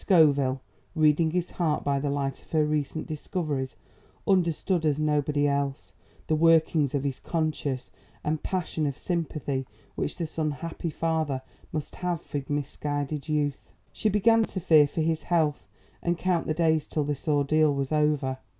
Scoville, reading his heart by the light of her recent discoveries, understood as nobody else, the workings of his conscience and the passion of sympathy which this unhappy father must have for misguided youth. She began to fear for his health and count the days till this ordeal was over.